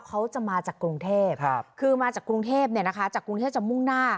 เขาจะมาจากกรุงเทพฯคือมาจากกรุงเทพฯจากกรุงเทพฯจากมุ่งหน้า